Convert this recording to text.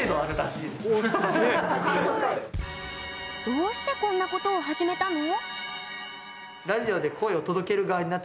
どうしてこんなことを始めたの？